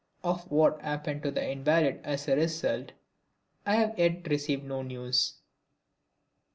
Of what happened to the invalid as the result I have yet received no news.